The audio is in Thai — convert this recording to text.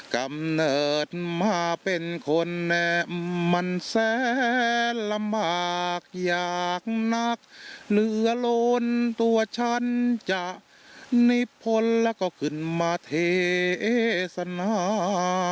กำเนิดมาเป็นคนแนมมันแสนลำบากอยากนักเหนือล้นตัวฉันจะนิพลแล้วก็ขึ้นมาเทสนา